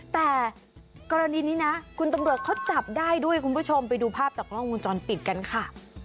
แต่กรณีนี้นะคุณตำรวจเขาจับได้ด้วยคุณผู้ชมไปดูภาพจากกล้องวงจรปิดกันค่ะ